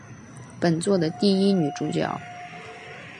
本作的第一女主角。